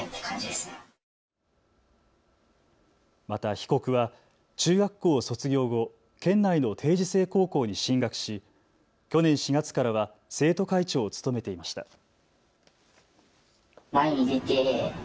また被告は中学校を卒業後、県内の定時制高校に進学し去年４月からは生徒会長を務めていました。